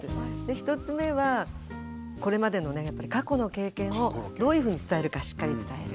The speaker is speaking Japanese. １つ目はこれまでのね過去の経験をどういうふうに伝えるかしっかり伝える。